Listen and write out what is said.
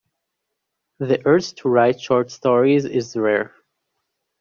The urge to write short stories is rare.